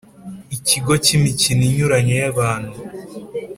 Ikigo k’imikino inyuranye y’abantu